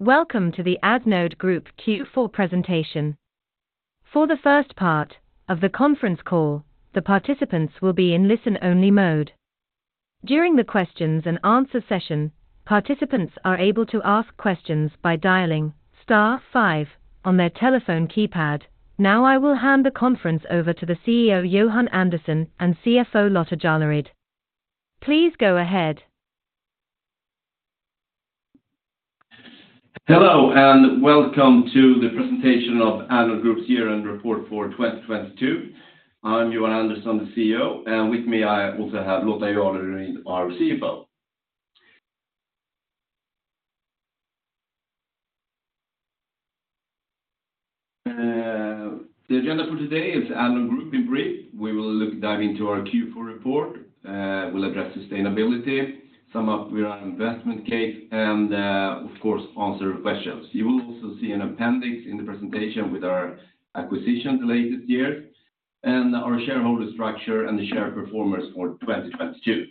Welcome to the Addnode Group Q4 presentation. For the first part of the conference call, the participants will be in listen-only mode. During the questions and answer session, participants are able to ask questions by dialing star five on their telephone keypad. Now I will hand the conference over to the CEO, Johan Andersson, and CFO, Lotta Jarleryd. Please go ahead. Hello, welcome to the presentation of Addnode Group's year-end report for 2022. I'm Johan Andersson, the CEO, and with me I also have Lotta Jarleryd, our CFO. The agenda for today is Addnode Group in brief. We will dive into our Q4 report. We'll address sustainability, sum up our investment case and, of course, answer questions. You will also see an appendix in the presentation with our acquisitions late this year and our shareholder structure and the share performers for 2022.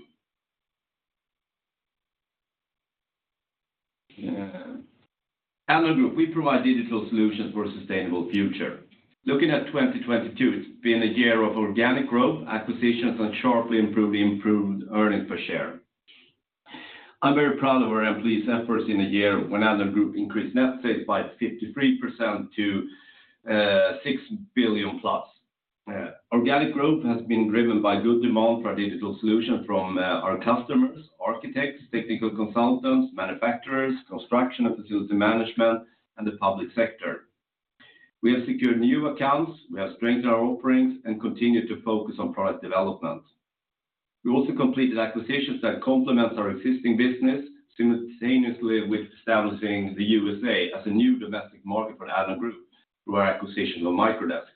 Addnode Group, we provide digital solutions for a sustainable future. Looking at 2022, it's been a year of organic growth, acquisitions and sharply improved earnings per share. I'm very proud of our employees' efforts in a year when Addnode Group increased net sales by 53% to 6 billion+. Organic growth has been driven by good demand for our digital solution from our customers, architects, technical consultants, manufacturers, construction and facility management and the public sector. We have secured new accounts, we have strengthened our offerings and continued to focus on product development. We also completed acquisitions that complement our existing business, simultaneously with establishing the USA as a new domestic market for Addnode Group through our acquisition of Microdesk.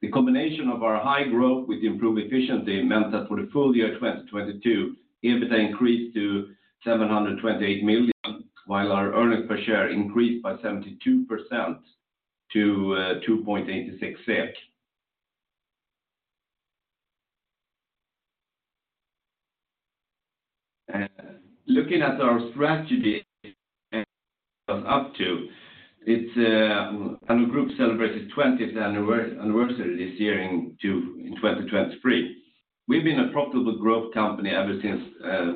The combination of our high growth with improved efficiency meant that for the full year 2022, EBITDA increased to 728 million, while our earnings per share increased by 72% to 2.86. Looking at our strategy up to, it's Addnode Group celebrates its twentieth anniversary this year in 2023. We've been a profitable growth company ever since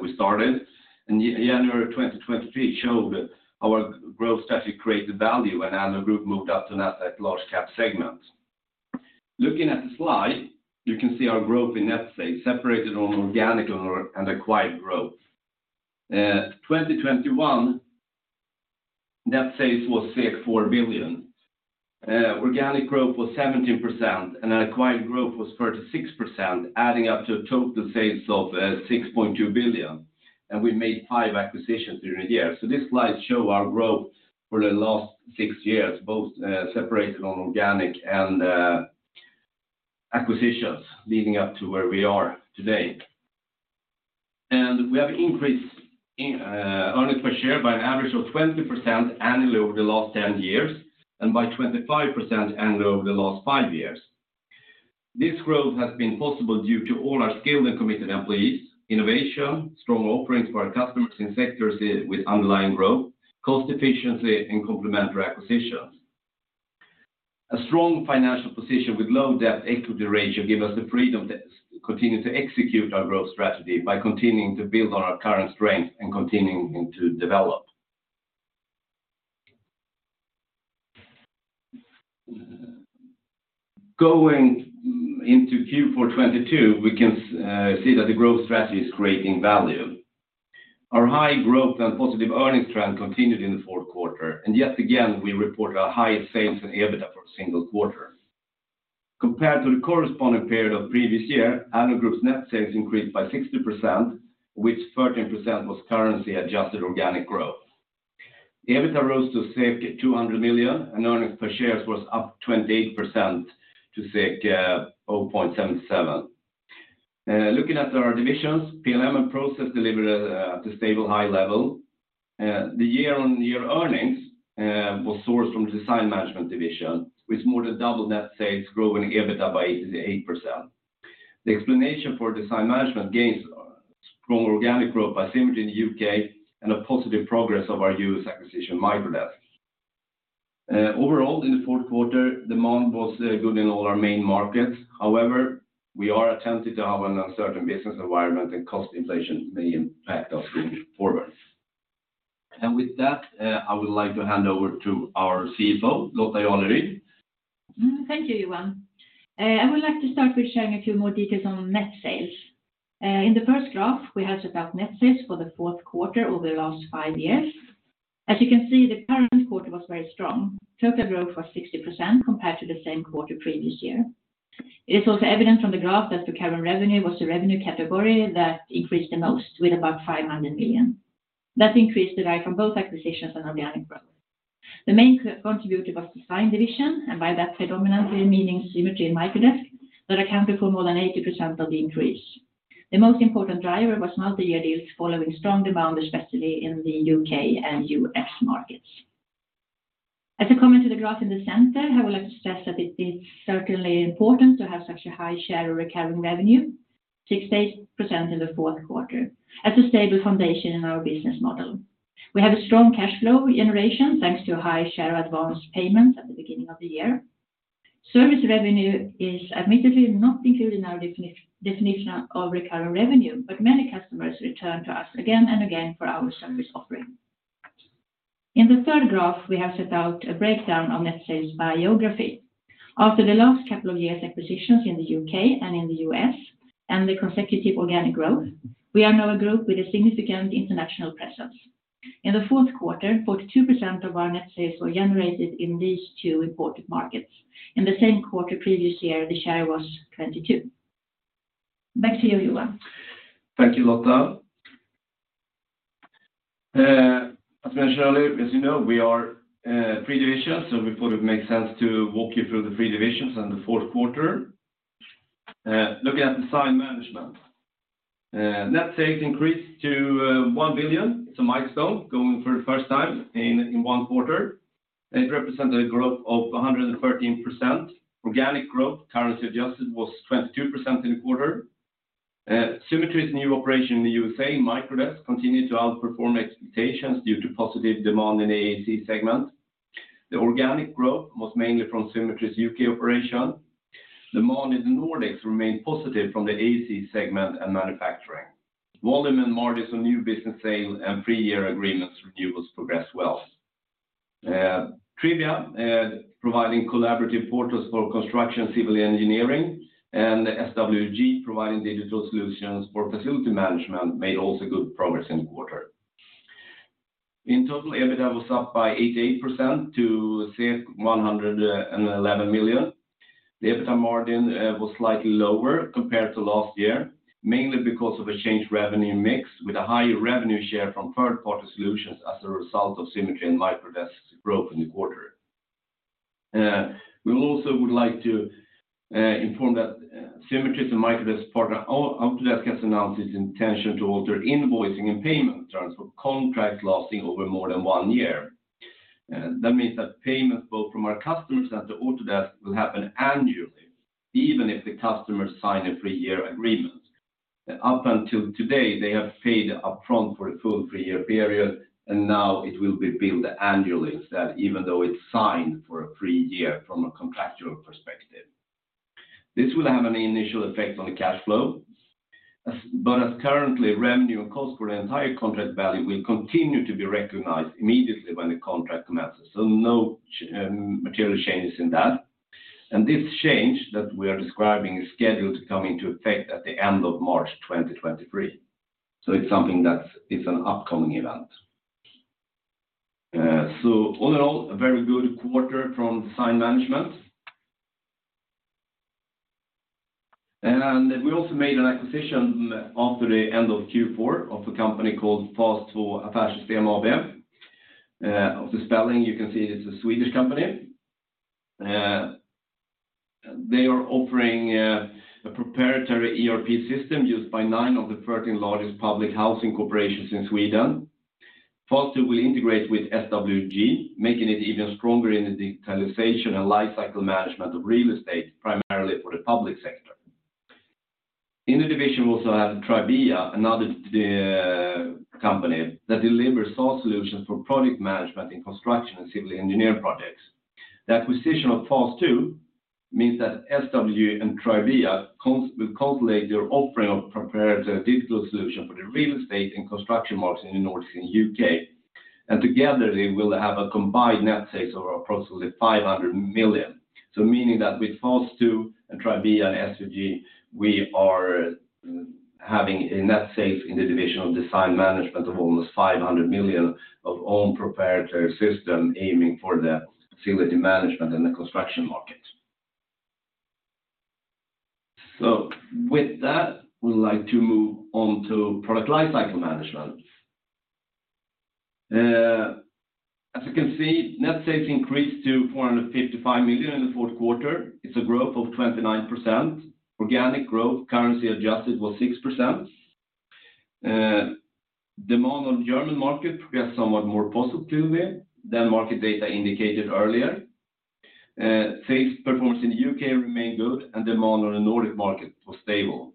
we started. In January 2023 showed our growth strategy created value when Addnode Group moved up to Nasdaq Large Cap segment. Looking at the slide, you can see our growth in net sales separated on organic and acquired growth. 2021, net sales was 4 billion. Organic growth was 17% and acquired growth was 36%, adding up to a total sales of 6.2 billion. We made five acquisitions during the year. This slide show our growth for the last six years, both separated on organic and acquisitions leading up to where we are today. We have increased in earnings per share by an average of 20% annually over the last 10 years and by 25% annually over the last five years. This growth has been possible due to all our skilled and committed employees, innovation, strong offerings for our customers in sectors with underlying growth, cost efficiency and complementary acquisitions. A strong financial position with low debt equity ratio give us the freedom to continue to execute our growth strategy by continuing to build on our current strength and continuing to develop. Going into Q4 2022, we can see that the growth strategy is creating value. Our high growth and positive earnings trend continued in the fourth quarter, and yet again, we reported our highest sales and EBITDA for a single quarter. Compared to the corresponding period of previous year, Addnode Group's net sales increased by 60%, which 13% was currency-adjusted organic growth. The EBITDA rose to 200 million and earnings per shares was up 28% to 0.77. Looking at our divisions, PLM & Process delivered a stable high level. The year-on-year earnings was sourced from Design Management division, with more than double net sales growing EBITDA by 88%. The explanation for Design Management gains, strong organic growth by Symetri in the U.K. and a positive progress of our U.S. acquisition, Microdesk. Overall in the fourth quarter, demand was good in all our main markets. However, we are attentive to have an uncertain business environment and cost inflation may impact us going forward. With that, I would like to hand over to our CFO, Lotta Jarleryd. Thank you, Johan. I would like to start with sharing a few more details on net sales. In the first graph, we have about net sales for the fourth quarter over the last five years. As you can see, the current quarter was very strong. Total growth was 60% compared to the same quarter previous year. It is also evident from the graph that the current revenue was the revenue category that increased the most with about 500 million. That increase derived from both acquisitions and organic growth. The main contributor was Design Management, and by that predominantly meaning Symetri and Microdesk that accounted for more than 80% of the increase. The most important driver was multi-year deals following strong demand, especially in the UK and US markets. As a comment to the graph in the center, I would like to stress that it's certainly important to have such a high share of recurring revenue, 68% in the fourth quarter, as a stable foundation in our business model. We have a strong cash flow generation thanks to a high share of advance payments at the beginning of the year. Service revenue is admittedly not included in our definition of recurring revenue, but many customers return to us again and again for our service offering. In the third graph, we have set out a breakdown of net sales by geography. After the last couple of years' acquisitions in the U..K and in the U.S. And the consecutive organic growth, we are now a group with a significant international presence. In the fourth quarter, 42% of our net sales were generated in these two important markets. In the same quarter previous year, the share was 22. Back to you, Johan. Thank you, Lotta. As mentioned earlier, as you know, we are three divisions. We thought it makes sense to walk you through the three divisions in the fourth quarter. Looking at Design Management, net sales increased to 1 billion. It's a milestone going for the first time in one quarter, and it represented a growth of 113%. Organic growth, currency adjusted, was 22% in the quarter. Symetri's new operation in the USA, Microdesk, continued to outperform expectations due to positive demand in the AEC segment. The organic growth was mainly from Symetri's U.K. operation. Demand in the Nordics remained positive from the AEC segment and manufacturing. Volume and margins on new business sales and three-year agreements renewals progressed well. Tribia, providing collaborative portals for construction civil engineering, and SWG providing digital solutions for facility management made also good progress in the quarter. In total, EBITDA was up by 88% to 111 million. The EBITDA margin was slightly lower compared to last year, mainly because of a changed revenue mix with a higher revenue share from third-party solutions as a result of Symetri and Microdesk's growth in the quarter. We also would like to inform that Symetri's and Microdesk's partner, Autodesk, has announced its intention to alter invoicing and payment terms for contracts lasting over more than one year. That means that payments both from our customers and to Autodesk will happen annually, even if the customers sign a three-year agreement. Up until today, they have paid upfront for the full three-year period, now it will be billed annually instead, even though it's signed for a three-year from a contractual perspective. This will have an initial effect on the cash flow, as currently, revenue and cost for the entire contract value will continue to be recognized immediately when the contract commences, so no material changes in that. This change that we are describing is scheduled to come into effect at the end of March 2023. It's something that's an upcoming event. All in all, a very good quarter from Design Management. We also made an acquisition after the end of Q4 of a company called Fast2 Affärssystem AB. Of the spelling, you can see it's a Swedish company. They are offering a proprietary ERP system used by nine of the 13 largest public housing corporations in Sweden. Fast2 will integrate with SWG, making it even stronger in the digitalization and lifecycle management of real estate, primarily for the public sector. In the division, we also have Tribia, another company that delivers soft solutions for project management in construction and civil engineer projects. The acquisition of Fast2 means that SW and Tribia will consolidate their offering of proprietary digital solution for the real estate and construction markets in the Nordics and U.K. Together, they will have a combined net sales of approximately 500 million. Meaning that with Fast2 and Tribia and SWG, we are having a net sales in the division of Design Management of almost 500 million of own proprietary system aiming for the facility management and the construction market. With that, we'd like to move on to Product Lifecycle Management. As you can see, net sales increased to 455 million in the fourth quarter. It's a growth of 29%. Organic growth, currency adjusted, was 6%. Demand on the German market progressed somewhat more positively than market data indicated earlier. Sales performance in the U.K. remained good, and demand on the Nordic market was stable.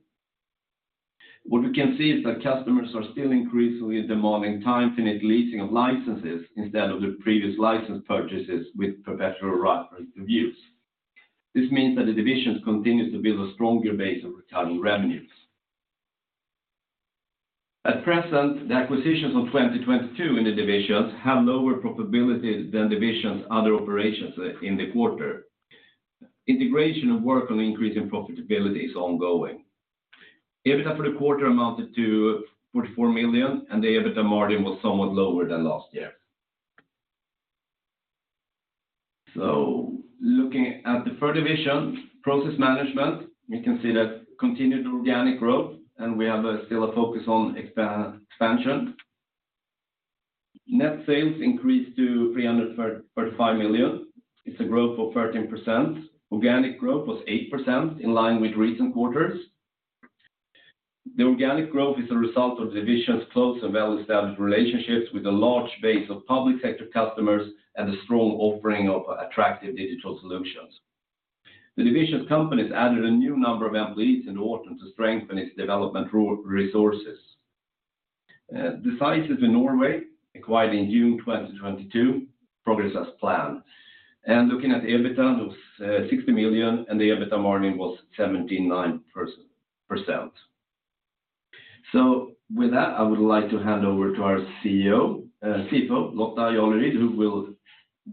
What we can see is that customers are still increasingly demanding time-finite leasing of licenses instead of the previous license purchases with perpetual rights to use. This means that the divisions continues to build a stronger base of recurring revenues. At present, the acquisitions of 2022 in the divisions have lower profitability than divisions' other operations in the quarter. Integration of work on increasing profitability is ongoing. EBITDA for the quarter amounted to 44 million, and the EBITDA margin was somewhat lower than last year. Looking at the third division, Process Management, we can see that continued organic growth, we have a still a focus on expansion. Net sales increased to 335 million. It's a growth of 13%. Organic growth was 8%, in line with recent quarters. The organic growth is a result of the division's close and well-established relationships with a large base of public sector customers and a strong offering of attractive digital solutions. The division's companies added a new number of employees in autumn to strengthen its development resources. The sites in Norway acquired in June 2022 progress as planned. Looking at the EBITDA, it was SEK 60 million, and the EBITDA margin was 79%. With that, I would like to hand over to our CFO, Lotta Jarleryd, who will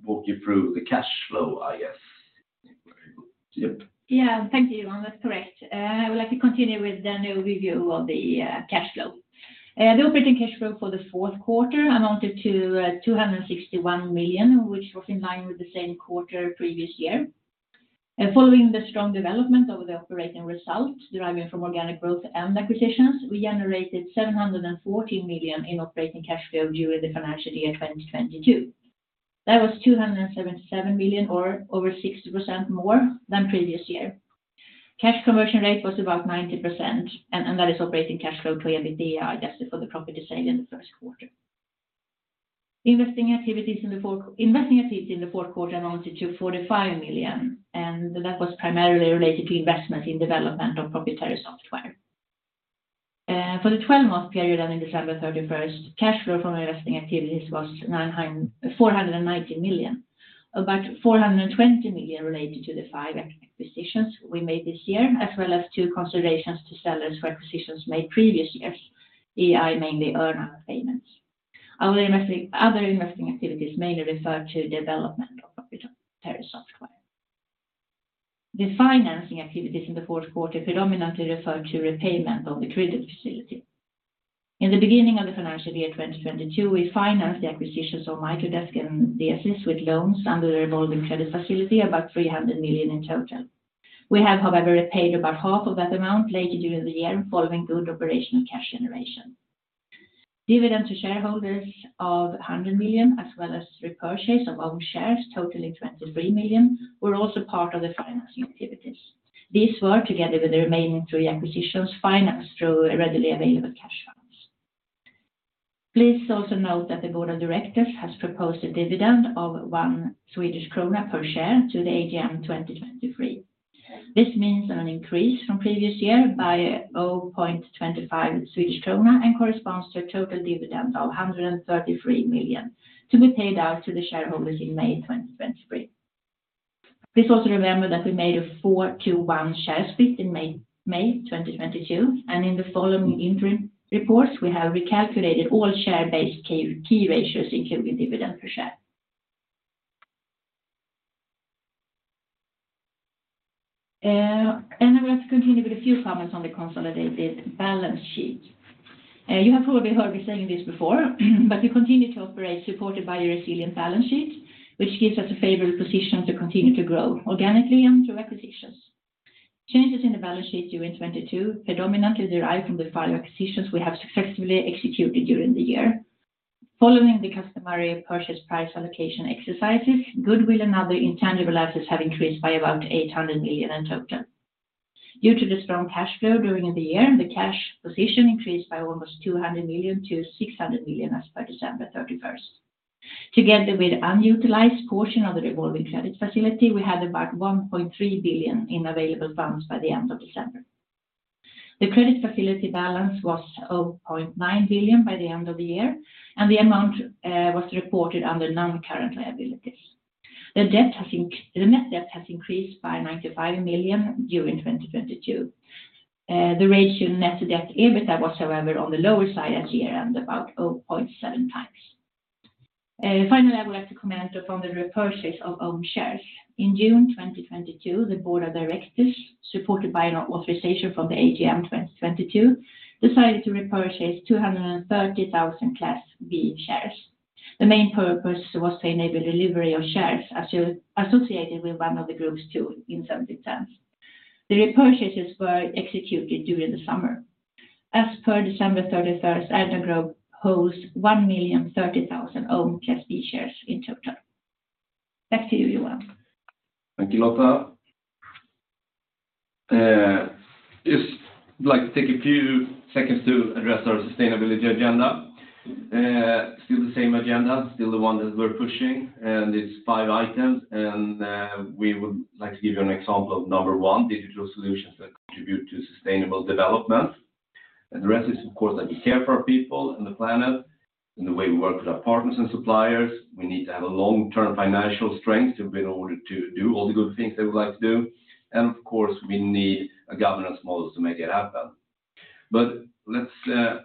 walk you through the cash flow, I guess. Yep. Thank you, Johan. That's correct. I would like to continue with an overview of the cash flow. The operating cash flow for the fourth quarter amounted to 261 million, which was in line with the same quarter previous year. Following the strong development of the operating results deriving from organic growth and acquisitions, we generated 714 million in operating cash flow during the financial year 2022. That was 277 million or over 60% more than previous year. Cash conversion rate was about 90%, and that is operating cash flow to EBITDA, adjusted for the property sale in the first quarter. Investing activities in the fourth quarter amounted to 45 million, and that was primarily related to investment in development of proprietary software. For the 12-month period ending December 31st, cash flow from investing activities was 490 million. About 420 million related to the five acquisitions we made this year, as well as two considerations to sellers for acquisitions made previous years, AI, mainly earner payments. Other investing activities mainly refer to development of proprietary software. The financing activities in the fourth quarter predominantly refer to repayment of the credit facility. In the beginning of the financial year, 2022, we financed the acquisitions of Microdesk and DESYS with loans under the revolving credit facility, about 300 million in total. We have, however, repaid about half of that amount, paid during the year following good operational cash generation. Dividend to shareholders of 100 million as well as repurchase of own shares totaling 23 million were also part of the financing activities. These were together with the remaining three acquisitions financed through readily available cash funds. Please also note that the board of directors has proposed a dividend of 1 Swedish krona per share to the AGM 2023. This means an increase from previous year by 0.25 Swedish krona and corresponds to a total dividend of 133 million to be paid out to the shareholders in May 2023. Please also remember that we made a four-one share split in May 2022, and in the following interim reports, we have recalculated all share-based key ratios including dividend per share. I would like to continue with a few comments on the consolidated balance sheet. You have probably heard me saying this before, but we continue to operate supported by a resilient balance sheet, which gives us a favorable position to continue to grow organically and through acquisitions. Changes in the balance sheet during 2022 predominantly derive from the five acquisitions we have successfully executed during the year. Following the customary purchase price allocation exercises, goodwill and other intangible assets have increased by about 800 million in total. Due to the strong cash flow during the year, the cash position increased by almost 200 million-600 million as per December 31st. Together with unutilized portion of the revolving credit facility, we had about 1.3 billion in available funds by the end of December. The credit facility balance was 0.9 billion by the end of the year, and the amount was reported under non-current liabilities. The net debt has increased by 95 million during 2022. The ratio net debt to EBITDA was, however, on the lower side at year-end, about 0.7x. Finally, I would like to comment from the repurchase of own shares. In June 2022, the board of directors, supported by an authorization from the AGM 2022, decided to repurchase 230,000 Class B shares. The main purpose was to enable delivery of shares associated with one of the group's tools in certain terms. The repurchases were executed during the summer. As per December 31st, Addnode Group holds 1,030,000 own Class B shares in total. Back to you, Johan. Thank you, Lotta. Just like to take a few seconds to address our sustainability agenda. Still the same agenda, still the one that we're pushing, and it's five items. We would like to give you an example of number one, digital solutions that contribute to sustainable development. The rest is, of course, that we care for our people and the planet and the way we work with our partners and suppliers. We need to have a long-term financial strength to be able to do all the good things that we like to do. Of course, we need a governance model to make it happen. Let's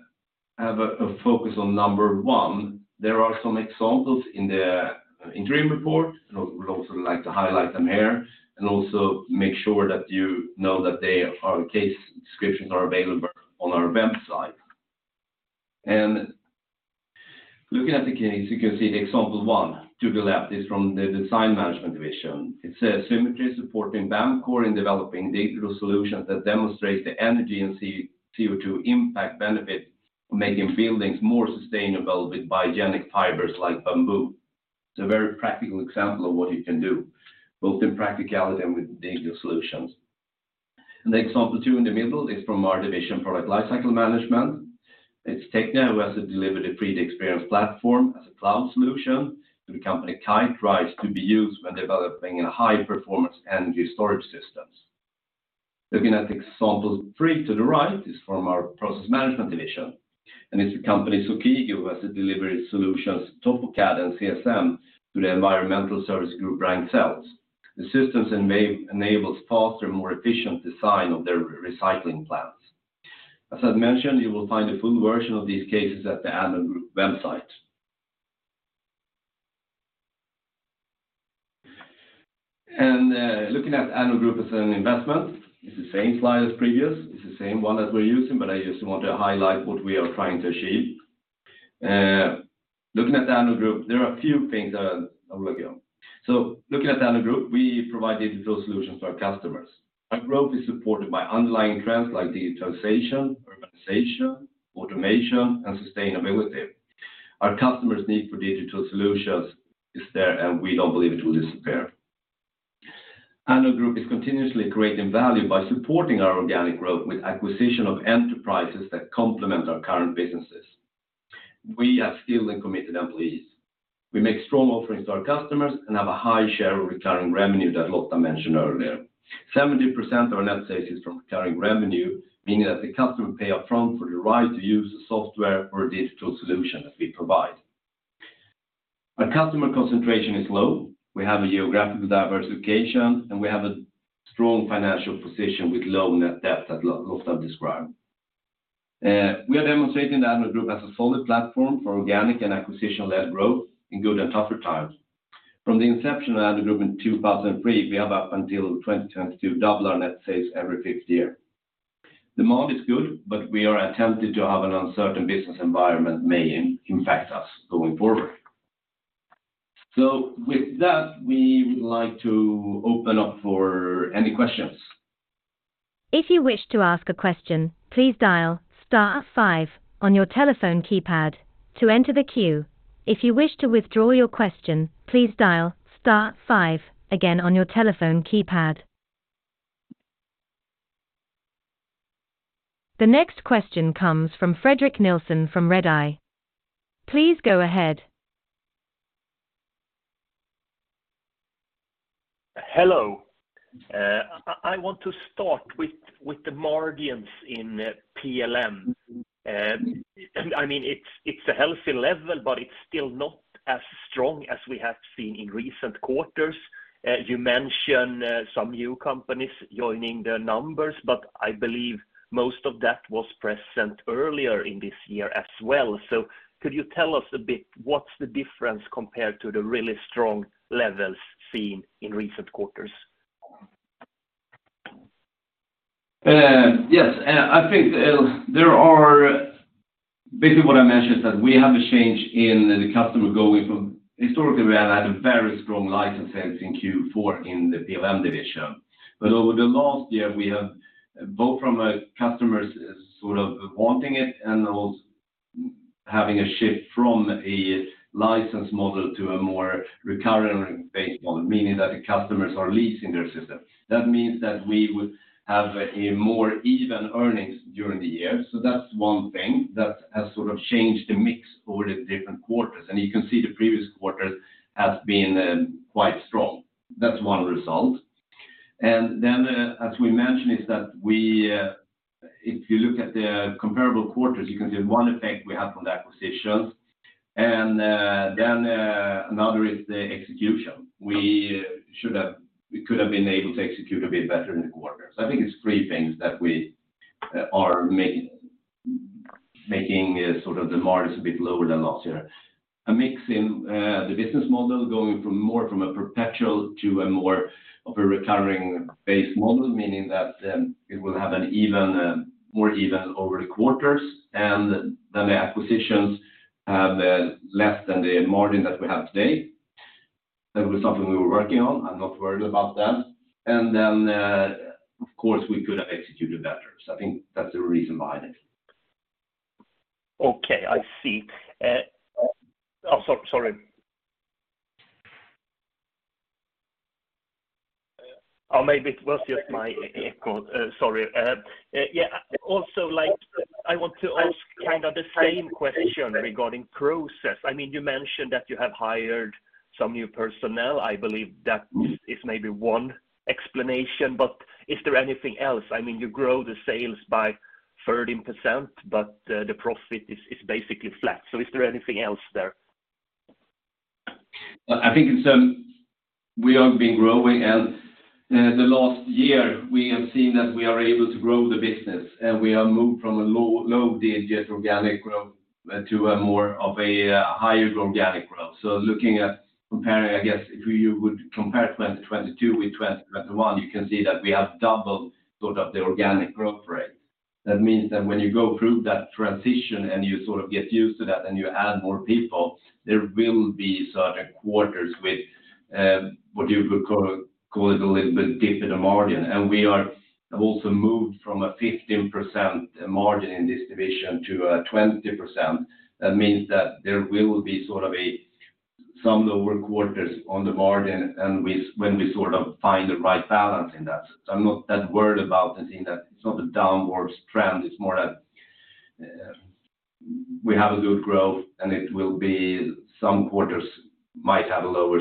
have a focus on number one. There are some examples in the interim report. I would also like to highlight them here and also make sure that you know that they are case descriptions are available on our website. Looking at the case, you can see example one to the left is from the Design Management division. It says, "Symetri supporting BAMB core in developing digital solutions that demonstrate the energy and C-CO2 impact benefit for making buildings more sustainable with biogenic fibers like bamboo." It's a very practical example of what you can do, both in practicality and with digital solutions. Example two in the middle is from our division Product Lifecycle Management. It's Technia who has delivered a 3DEXPERIENCE platform as a cloud solution to the company KiteRise to be used when developing a high-performance energy storage systems. Looking at example three to the right is from our Process Management division, and it's the company Sokigo who has delivered solutions, TopoCAD and CSM, to the environmental service group, Ragn-Sells. The systems enables faster, more efficient design of their recycling plants. As I've mentioned, you will find a full version of these cases at the Addnode Group website. Looking at Addnode Group as an investment, it's the same slide as previous. It's the same one that we're using, but I just want to highlight what we are trying to achieve. Looking at the Addnode Group, there are a few things that I'll look at. Looking at the Addnode Group, we provide digital solutions to our customers. Our growth is supported by underlying trends like digitalization, urbanization, automation, and sustainability. Our customers' need for digital solutions is there, and we don't believe it will disappear. Addnode Group is continuously creating value by supporting our organic growth with acquisition of enterprises that complement our current businesses. We have skilled and committed employees. We make strong offerings to our customers and have a high share of recurring revenue that Lotta mentioned earlier. 70% of our net sales is from recurring revenue, meaning that the customer pay up front for the right to use the software or digital solution that we provide. Our customer concentration is low. We have a geographical diversification, and we have a strong financial position with low net debt that Lotta described. We are demonstrating that Addnode Group has a solid platform for organic and acquisition-led growth in good and tougher times. From the inception of Addnode Group in 2003, we have up until 2022 doubled our net sales every fifth year. Demand is good, we are attempting to have an uncertain business environment may impact us going forward. With that, we would like to open up for any questions. If you wish to ask a question, please dial star five on your telephone keypad to enter the queue. If you wish to withdraw your question, please dial star five again on your telephone keypad. The next question comes from Fredrik Nilsson from Redeye. Please go ahead. Hello. I want to start with the margins in PLM. I mean, it's a healthy level, it's still not as strong as we have seen in recent quarters. You mention some new companies joining the numbers, I believe most of that was present earlier in this year as well. Could you tell us a bit what's the difference compared to the really strong levels seen in recent quarters? Yes. I think there are. Basically what I mentioned is that we have a change in the customer going from. Historically, we have had a very strong license sales in Q4 in the PLM division. Over the last year, we have both from a customer's sort of wanting it and also having a shift from a license model to a more recurring-based one, meaning that the customers are leasing their system. That means that we would have a more even earnings during the year. That's one thing that has sort of changed the mix over the different quarters. You can see the previous quarters have been quite strong. That's one result. Then, as we mentioned, is that we, if you look at the comparable quarters, you can see one effect we have from the acquisitions. Then, another is the execution. We could have been able to execute a bit better in the quarters. I think it's three things that we are making sort of the margins a bit lower than last year. A mix in the business model going from more from a perpetual to a more of a recurring-based model, meaning that it will have an even more even over the quarters, then the acquisitions have less than the margin that we have today. That was something we were working on. I'm not worried about that. Then, of course, we could have executed better. I think that's the reason behind it. Okay. I see. Oh, sorry. Oh, maybe it was just my echo. Sorry. Yeah, also, like, I want to ask kind of the same question regarding process. I mean, you mentioned that you have hired some new personnel. I believe that is maybe one explanation, but is there anything else? I mean, you grow the sales by 13%, but the profit is basically flat. Is there anything else there? I think it's. We have been growing, and the last year we have seen that we are able to grow the business, and we have moved from a low, low digit organic growth to a more of a higher organic growth. Looking at comparing, I guess, if you would compare 2022 with 2021, you can see that we have doubled sort of the organic growth rate. That means that when you go through that transition and you sort of get used to that and you add more people, there will be certain quarters with what you would call it a little bit dip in the margin. We have also moved from a 15% margin in this division to a 20%. That means that there will be sort of a some lower quarters on the margin, when we sort of find the right balance in that. I'm not that worried about the thing that it's not a downwards trend, it's more that we have a good growth, and it will be some quarters might have a lower.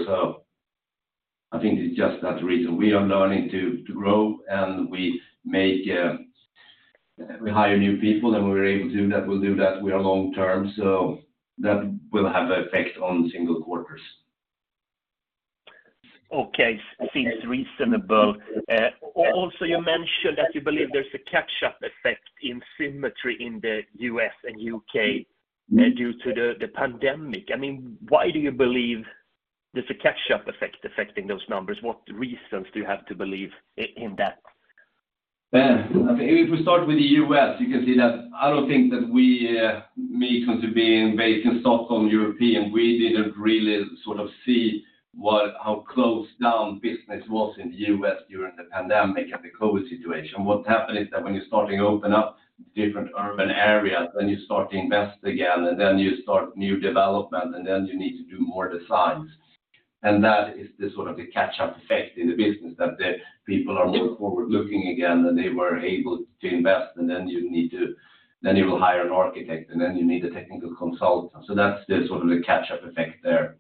I think it's just that reason. We are learning to grow, and we make, we hire new people, and we're able to do that. We'll do that. We are long term, so that will have effect on single quarters. Okay. Seems reasonable. Also you mentioned that you believe there's a catch-up effect in Symetri in the U.S. and U.K. due to the pandemic. I mean, why do you believe there's a catch-up effect affecting those numbers? What reasons do you have to believe in that? I think if we start with the U.S., you can see that I don't think that we, me contributing based in Stockholm, European, we didn't really sort of see how closed down business was in the U.S. during the pandemic and the COVID situation. What happened is that when you're starting to open up different urban areas, you start to invest again, you start new development, you need to do more designs. That is the sort of the catch-up effect in the business, that the people are more forward-looking again, they were able to invest. You will hire an architect, you need a technical consultant. That's the sort of the catch-up effect there.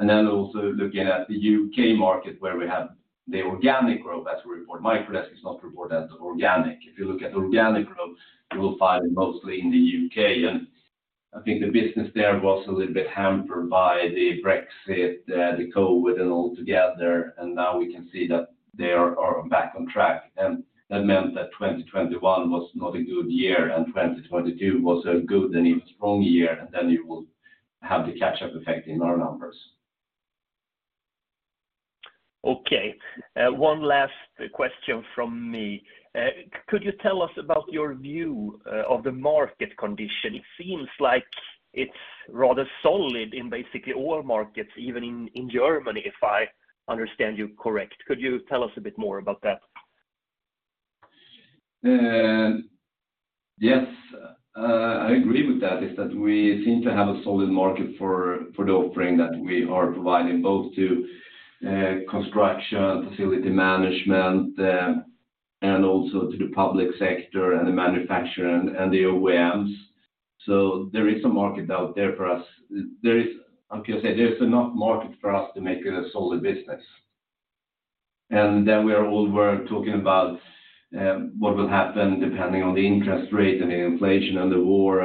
Also looking at the UK market, where we have the organic growth as we report. Microdesk is not reported as organic. If you look at organic growth, you will find it mostly in the U.K. I think the business there was a little bit hampered by the Brexit, the COVID and all together, and now we can see that they are back on track. That meant that 2021 was not a good year, and 2022 was a good and even strong year, and then you will have the catch-up effect in our numbers. Okay. One last question from me. Could you tell us about your view of the market condition? It seems like it's rather solid in basically all markets, even in Germany, if I understand you correct. Could you tell us a bit more about that? Yes. I agree with that, is that we seem to have a solid market for the offering that we are providing both to construction, facility management, and also to the public sector and the manufacturer and the OEMs. There is a market out there for us. Like you said, there's enough market for us to make it a solid business. We are all we're talking about what will happen depending on the interest rate and the inflation and the war.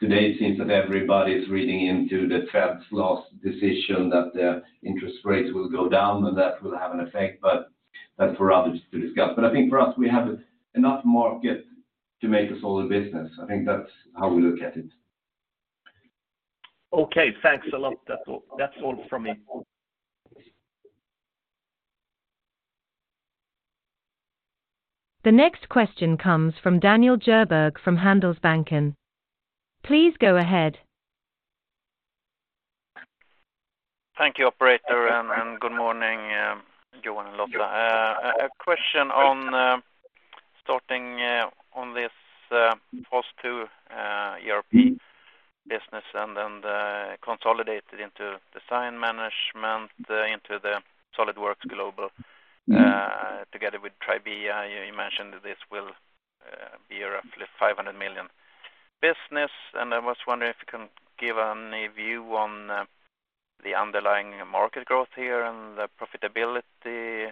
Today it seems that everybody is reading into the Fed's last decision that the interest rates will go down, and that will have an effect, but that's for others to discuss. I think for us, we have enough market to make a solid business. I think that's how we look at it. Okay, thanks a lot. That's all from me. The next question comes from Daniel Djurberg from Handelsbanken. Please go ahead. Thank you, operator, and good morning, Johan and Lotta. A question on starting on this Fast2 ERP business and then consolidated into Design Management into the SolidWorks global together with Tribia. You mentioned this will be roughly 500 million business, and I was wondering if you can give any view on the underlying market growth here and the profitability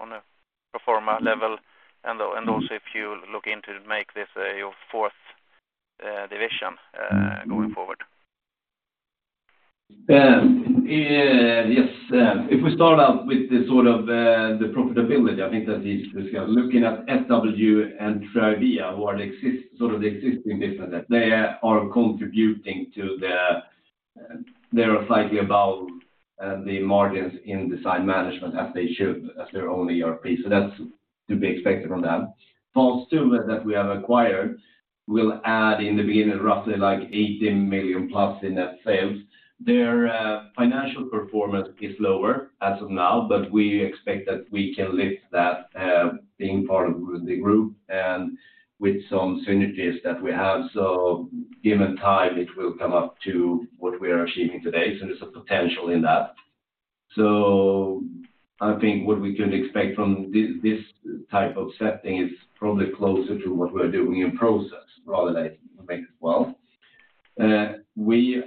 on a pro forma level, and also if you look into make this your fourth division going forward. Yes. If we start out with the sort of the profitability, I think that's easy to discuss. Looking at SW and Tribia, who are the sort of the existing business, that they are contributing to the... They are slightly above the margins in Design Management as they should, as they're only ERP. That's to be expected from them. Fast2 that we have acquired will add in the beginning roughly like 80 million plus in net sales. Their financial performance is lower as of now, but we expect that we can lift that being part of the group and with some synergies that we have. Given time, it will come up to what we are achieving today. There's a potential in that. I think what we can expect from this type of setting is probably closer to what we're doing in Process Management rather than making as well. We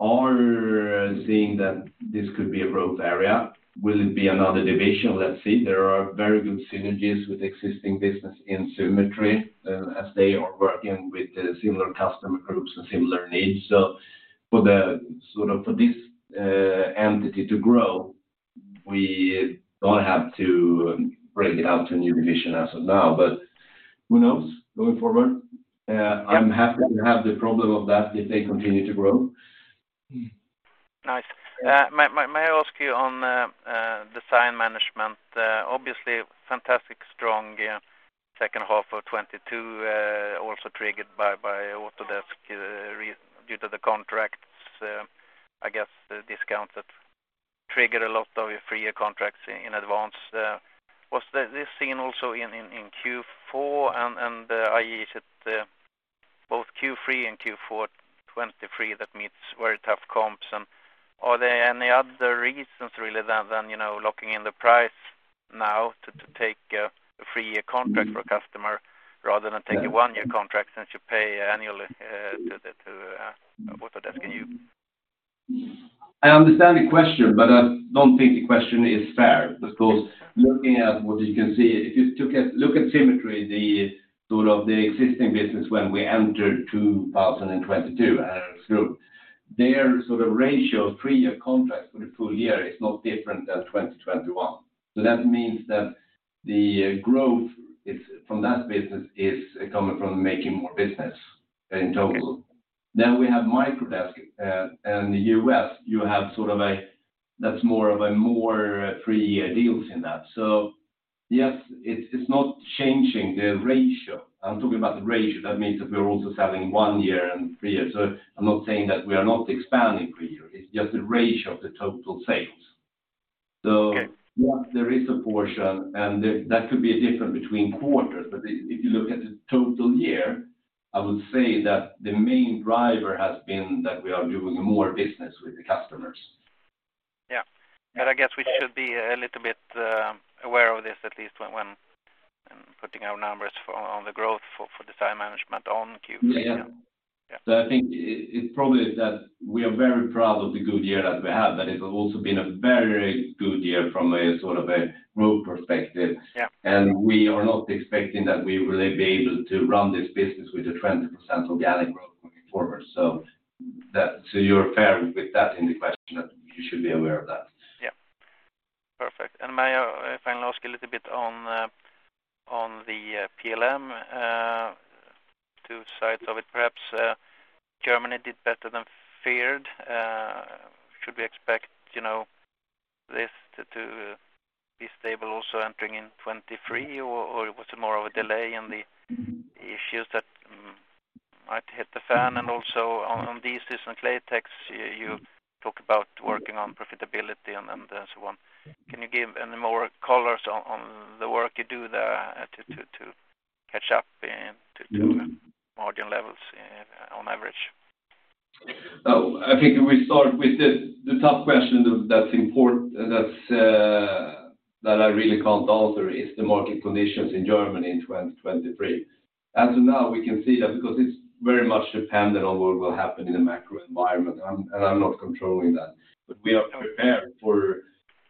are seeing that this could be a growth area. Will it be another division? Let's see. There are very good synergies with existing business in Symetri, as they are working with similar customer groups and similar needs. For this entity to grow, we don't have to break it out to a new division as of now. Who knows going forward? I'm happy to have the problem of that if they continue to grow. Nice. May I ask you on Design Management, obviously fantastic strong second half of 2022, also triggered by Autodesk re-due to the contracts, I guess the discounts that trigger a lot of your three-year contracts in advance. Was this seen also in Q4 and, i.e. is it both Q3 and Q4 2023 that meets very tough comps? Are there any other reasons really than, you know, locking in the price now to take a three-year contract for a customer rather than take a one-year contract since you pay annually to the Autodesk? Can you-? I understand the question. I don't think the question is fair because looking at what you can see, if you took a look at Symetri, the sort of the existing business when we entered 2022 as a group, their sort of ratio of three-year contracts for the full year is not different than 2021. That means that the growth is from that business is coming from making more business in total. We have Microdesk. In the U.S. you have that's more of a three-year deals in that. Yes, it's not changing the ratio. I'm talking about the ratio. That means that we are also selling one year and three years. I'm not saying that we are not expanding three years. It's just the ratio of the total sales. Okay. Yes, there is a portion, and that could be different between quarters. If you look at the total year, I would say that the main driver has been that we are doing more business with the customers. Yeah. I guess we should be a little bit aware of this at least when putting our numbers for on the growth for Design Management on Q3. Yeah. Yeah. I think it probably is that we are very proud of the good year that we have, that it's also been a very good year from a sort of a growth perspective. Yeah. We are not expecting that we will be able to run this business with a 20% organic growth moving forward. You're fair with that in the question that you should be aware of that. Yeah, perfect. May I finally ask a little bit on the PLM, two sides of it perhaps? Germany did better than feared. Should we expect, you know, this to to be stable also entering in 23, or or it was more of a delay in the issues that might hit the fan? Also on these DESYS, you talk about working on profitability and so on. Can you give any more colors on on the work you do there to to to catch up and to to margin levels on average? I think if we start with the top question that's important, that's that I really can't answer is the market conditions in Germany in 2023. As of now, we can see that because it's very much dependent on what will happen in the macro environment, I'm not controlling that. We are prepared for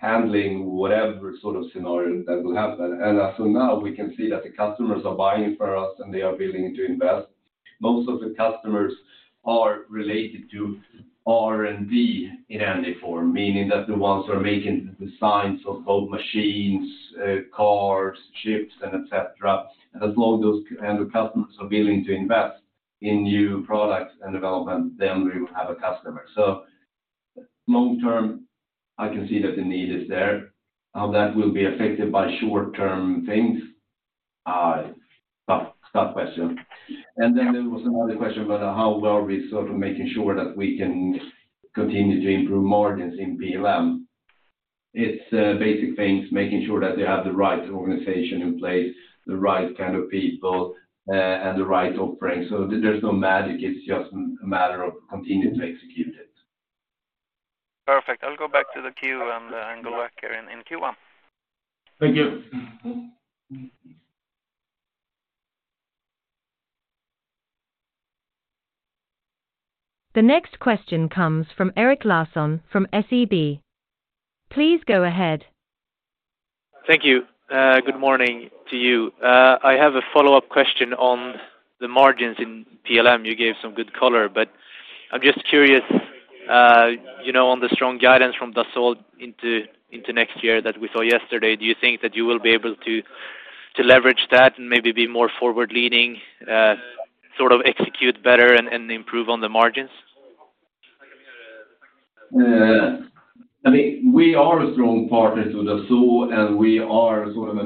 handling whatever sort of scenario that will happen. As of now, we can see that the customers are buying from us, and they are willing to invest. Most of the customers are related to R&D in any form, meaning that the ones who are making designs of both machines, cars, ships, and et cetera. As long those end customers are willing to invest in new products and development, then we will have a customer. Long term, I can see that the need is there. How that will be affected by short term things, tough question. Then there was another question about how are we sort of making sure that we can continue to improve margins in PLM. It's, basic things, making sure that they have the right organization in place, the right kind of people, and the right offering. There's no magic. It's just a matter of continuing to execute it. Perfect. I'll go back to the queue and go back here in Q1. Thank you. The next question comes from Erik Larsson from SEB. Please go ahead. Thank you. good morning to you. I have a follow-up question on the margins in PLM. You gave some good color, but I'm just curious, you know, on the strong guidance from Dassault into next year that we saw yesterday, do you think that you will be able to leverage that and maybe be more forward-leading, sort of execute better and improve on the margins? I mean, we are a strong partner to Dassault, and we are sort of a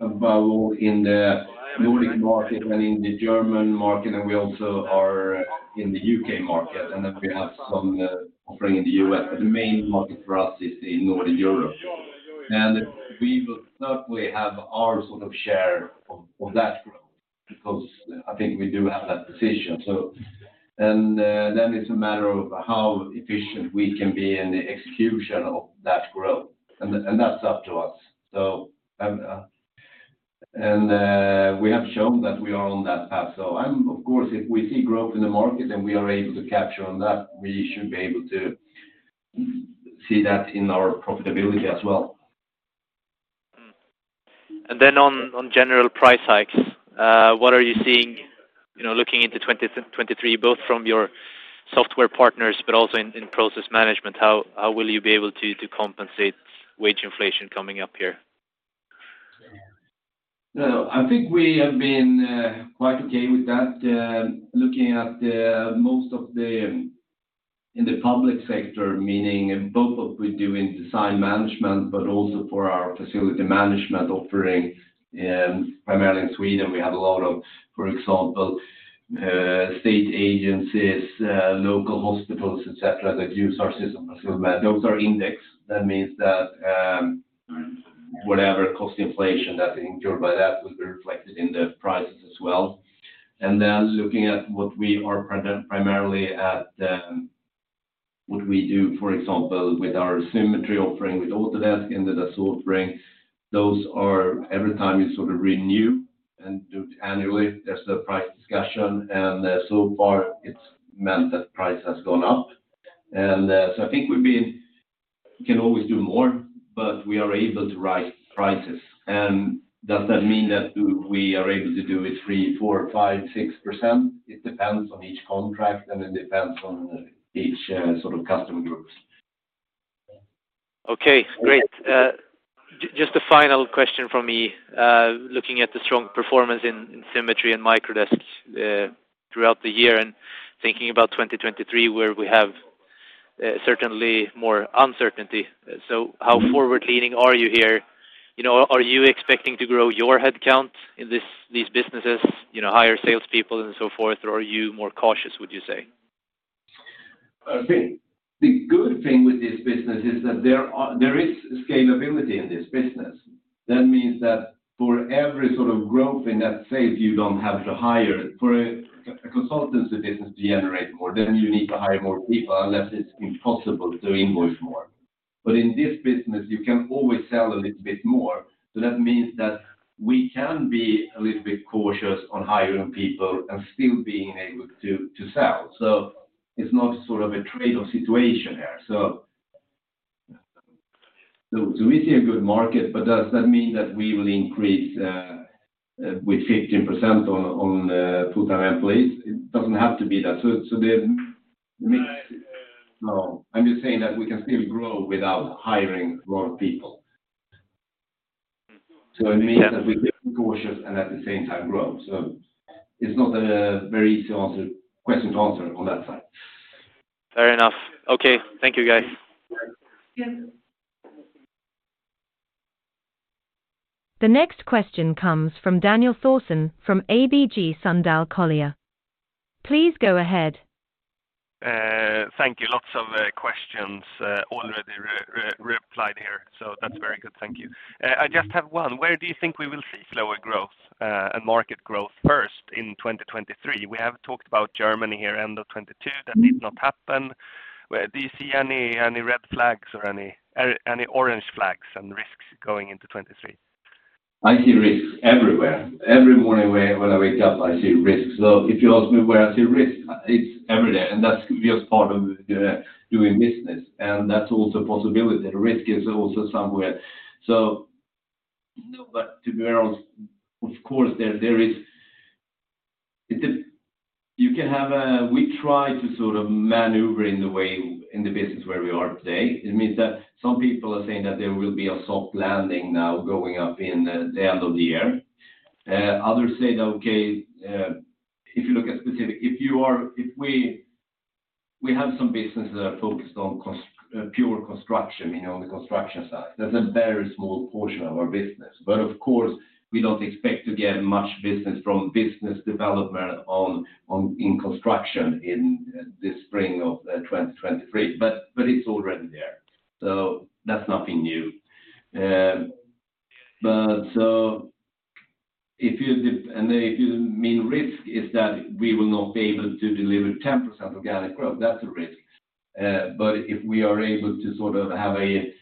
valor in the Nordic market and in the German market, and we also are in the UK market, and then we have some offering in the U.S. The main market for us is in Northern Europe. We will certainly have our sort of share of that growth because I think we do have that position. Then it's a matter of how efficient we can be in the execution of that growth, and that's up to us. And we have shown that we are on that path. Of course, if we see growth in the market and we are able to capture on that, we should be able to see that in our profitability as well. On general price hikes, what are you seeing, you know, looking into 2023, both from your software partners but also in Process Management, how will you be able to compensate wage inflation coming up here? I think we have been quite okay with that. Looking at the most of the in the public sector, meaning both what we do in Design Management, but also for our facility management offering, primarily in Sweden, we have a lot of, for example, state agencies, local hospitals, et cetera, that use our system. Those are index. That means that whatever cost inflation that is endured by that will be reflected in the prices as well. Looking at what we are primarily at, what we do, for example, with our Symetri offering, with Autodesk and the Dassault offering, those are every time you sort of renew and do it annually, there's a price discussion, and so far it's meant that price has gone up. So I think we can always do more, but we are able to raise prices. Does that mean that we are able to do it 3, 4, 5, 6%? It depends on each contract, and it depends on each sort of customer groups. Okay, great. Just a final question from me. Looking at the strong performance in Symetri and Microdesk, throughout the year and thinking about 2023, where we have, certainly more uncertainty. How forward-leaning are you here? You know, are you expecting to grow your headcount in these businesses, you know, hire salespeople and so forth, or are you more cautious, would you say? I think the good thing with this business is that there is scalability in this business. Means that for every sort of growth in that space, you don't have to hire. For a consultancy business to generate more, you need to hire more people unless it's impossible to invoice more. In this business, you can always sell a little bit more. That means that we can be a little bit cautious on hiring people and still being able to sell. It's not sort of a trade-off situation here. We see a good market, does that mean that we will increase with 15% on total employees? It doesn't have to be that. No, I'm just saying that we can still grow without hiring more people. Mm-hmm. It means that we can be cautious and at the same time grow. It's not a very easy question to answer on that side. Fair enough. Okay. Thank you, guys. The next question comes from Daniel Thorsson from ABG Sundal Collier. Please go ahead. Thank you. Lots of questions already replied here, that's very good. Thank you. I just have one. Where do you think we will see slower growth and market growth first in 2023? We have talked about Germany here, end of 2022. That did not happen. Where do you see any red flags or any orange flags and risks going into 2023? I see risks everywhere. Every morning when I wake up, I see risks. If you ask me where I see risk, it's everywhere, and that's just part of doing business, and that's also possibility. The risk is also somewhere. No, but to be honest, of course, there is. We try to sort of maneuver in the way in the business where we are today. It means that some people are saying that there will be a soft landing now going up in the end of the year. Others say that, okay, if you look at specific. We have some businesses that are focused on pure construction, you know, the construction side. That's a very small portion of our business. Of course, we don't expect to get much business from business development on in construction in the spring of 2023, but it's already there. That's nothing new. If you mean risk is that we will not be able to deliver 10% organic growth, that's a risk. If we are able to sort of have a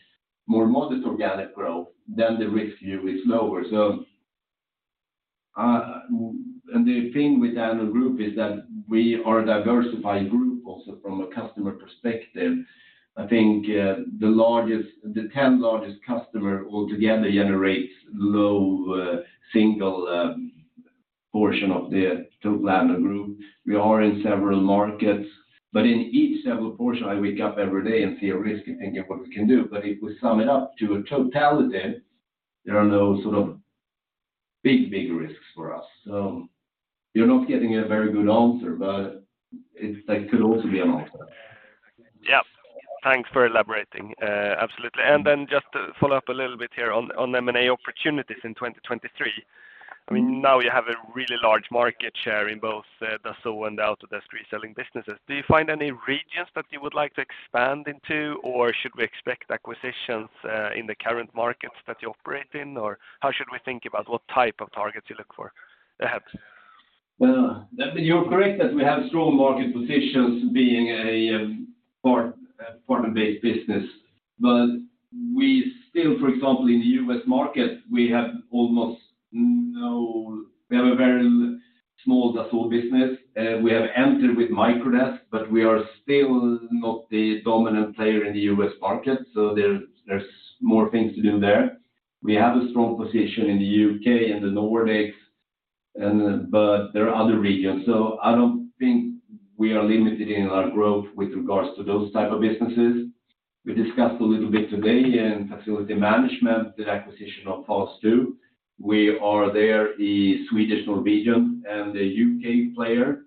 more modest organic growth, then the risk here is lower. The thing with Addnode Group is that we are a diversified group also from a customer perspective. I think the largest, the 10 largest customer altogether generates low, single portion of the total Addnode Group. We are in several markets, but in each several portion, I wake up every day and see a risk and think of what we can do. If we sum it up to a totality, there are no sort of big, big risks for us. You're not getting a very good answer, but that could also be an answer. Yeah. Thanks for elaborating. absolutely. Just to follow up a little bit here on M&A opportunities in 2023. I mean, now you have a really large market share in both, Dassault and the Autodesk reselling businesses. Do you find any regions that you would like to expand into, or should we expect acquisitions, in the current markets that you operate in? Or how should we think about what type of targets you look for perhaps? You're correct that we have strong market positions being a part of a based business. We still, for example, in the US market, we have almost no. We have a very small Dassault business. We have entered with Microdesk, but we are still not the dominant player in the US market, so there's more things to do there. We have a strong position in the U.K. and the Nordics. But there are other regions. I don't think we are limited in our growth with regards to those type of businesses. We discussed a little bit today in facility management, the acquisition of Fast2. We are there a Swedish, Norwegian, and a UK player.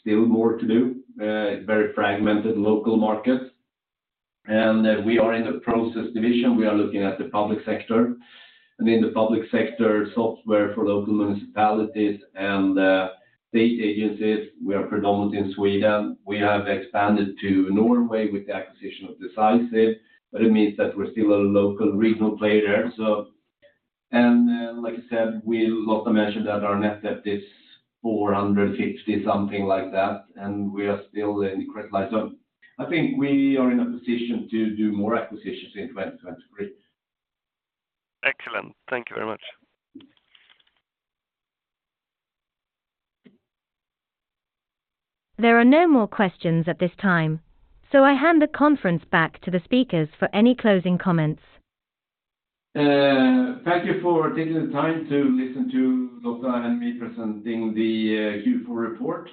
Still more to do. It's very fragmented local markets. We are in the Process Management division. We are looking at the public sector. I mean, the public sector software for local municipalities and state agencies, we are predominant in Sweden. We have expanded to Norway with the acquisition of DEVISE, but it means that we're still a local regional player. Like I said, Lotta mentioned that our net debt is 450, something like that, and we are still in credit line. I think we are in a position to do more acquisitions in 2023. Excellent. Thank you very much. There are no more questions at this time. I hand the conference back to the speakers for any closing comments. Thank you for taking the time to listen to Lotta and me presenting the Q4 report.